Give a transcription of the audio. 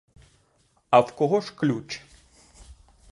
А в кого ж ключ?